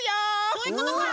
そういうことか。